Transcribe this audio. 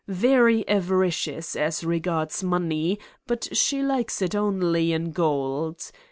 Very avaricious as regards money but she likes it only in gold.